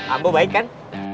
ambo baik kan